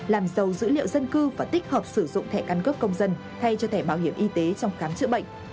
làm giàu dữ liệu dân cư và tích hợp sử dụng thẻ căn cước công dân thay cho thẻ bảo hiểm y tế trong khám chữa bệnh